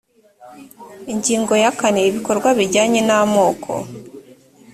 ingingo ya kane ibikorwa bijyanye n amoko